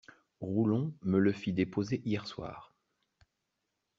Roulon me le fit déposer hier soir.